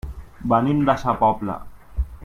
Venim de sa Pobla.